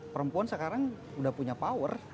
perempuan sekarang udah punya power